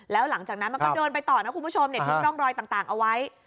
แล้วหลังจากนั้นมันก็เดินไปต่อนะคุณผู้ชมทิ้งร่องรอยต่างเอาไว้